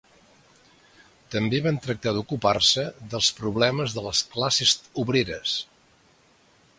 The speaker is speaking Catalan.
També van tractar d'ocupar-se dels problemes de les classes obreres.